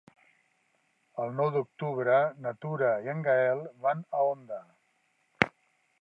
El nou d'octubre na Tura i en Gaël van a Onda.